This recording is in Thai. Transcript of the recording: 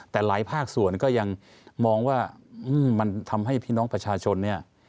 แต่หลายภาคส่วนก็ยังมองว่ามันทำให้พี่น้องประชาชนเนี่ย